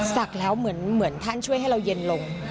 ศักดิ์แล้วเหมือนท่านช่วยให้เราเย็นลง